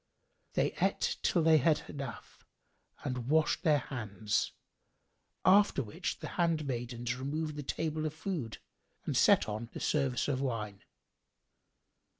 They ate till they had enough and washed their hands, after which the handmaidens removed the table of food and set on the service of wine.